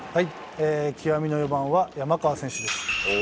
極みの４番は山川選手です。